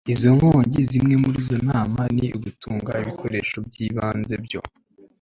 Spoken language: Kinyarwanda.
izo nkongi. zimwe muri izo nama ni ugutunga ibikoresho by'ibanze byo